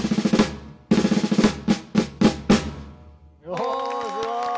おぉすごい。